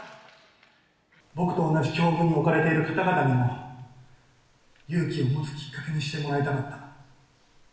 僕と同じ境遇に置かれている方々にも、勇気を持つきっかけにしてもらいたかった。